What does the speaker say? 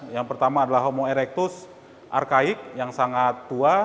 yang pertama adalah homo erectus arkaik yang sangat tua